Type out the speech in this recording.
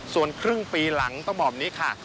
ส่วนครึ่งปีหลังต้องบอกแบบนี้ค่ะ